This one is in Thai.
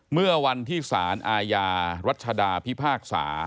เมื่อวันที่สารอาญารัชดาพิพากษา